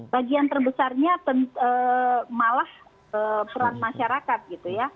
bagian terbesarnya malah peran masyarakat